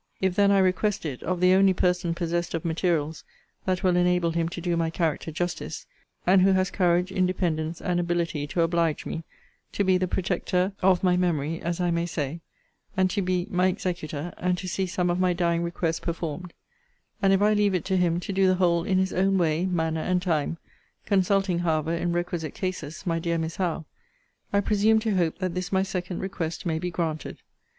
'If then I request it, of the only person possessed of materials that will enable him to do my character justice; 'And who has courage, independence, and ability to oblige me; 'To be the protector or my memory, as I may say; 'And to be my executor; and to see some of my dying requests performed; 'And if I leave it to him to do the whole in his own way, manner, and time; consulting, however, in requisite cases, my dear Miss Howe; 'I presume to hope that this my second request may be granted.'